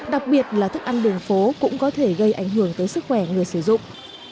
đặc biệt là thức ăn đường phố cũng có thể gây ảnh hưởng tới sức khỏe người sử dụng